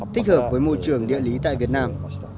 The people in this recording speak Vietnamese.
thích hợp với môi trường địa lý tại việt nam